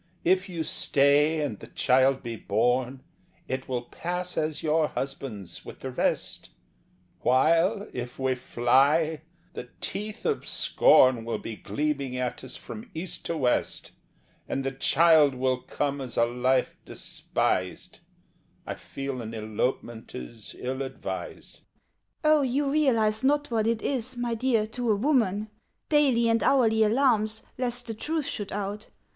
If you stay, and the child be born, It will pass as your husband's with the rest, While, if we fly, the teeth of scorn Will be gleaming at us from east to west; And the child will come as a life despised; I feel an elopement is ill advised!" "O you realize not what it is, my dear, To a woman! Daily and hourly alarms Lest the truth should out.